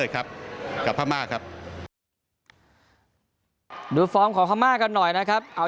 กับพระม่าก่อนหน่อยนะครับ